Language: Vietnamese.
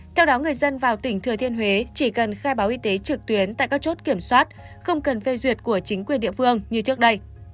theo đó người dân vào tỉnh thừa thiên huế chỉ cần khai báo y tế trực tuyến tại các chốt kiểm soát không cần phê duyệt của chính quyền địa phương như trước đây